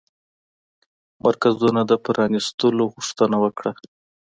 مرکزونو د پرانيستلو غوښتنه وکړه